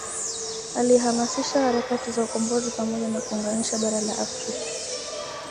Alihamasisha harakati za ukombozi pamoja na kuunganisha bara la Afrika